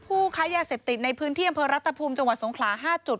ค้ายาเสพติดในพื้นที่อำเภอรัตภูมิจังหวัดสงขลา๕จุด